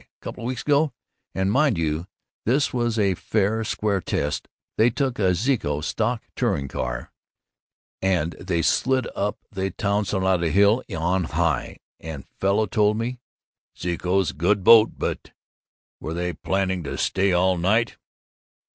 Couple weeks ago, and mind you, this was a fair, square test, they took a Zeeco stock touring car and they slid up the Tonawanda hill on high, and fellow told me " ("Zeeco good boat but Were they planning to stay all night?")